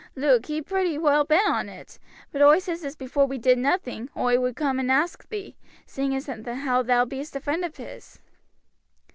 Luke he be pretty well bent on it, but oi says as before we did nothing oi would coom and ax thee, seeing as how thou bee'st a friend of his."